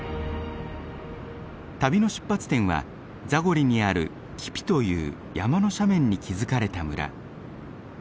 旅の出発点はザゴリにあるキピという山の斜面に築かれた村。